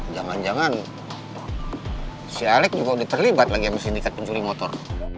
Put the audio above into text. jangan jangan si alec juga sudah terlibat lagi sama sindikat pencuri motor